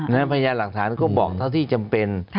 พยายามหลักฐานก็บอกเท่าที่จำเป็น